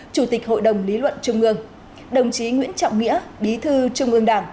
chủ tịch hội đồng lý luận trung ương đồng chí nguyễn trọng nghĩa bí thư trung ương đảng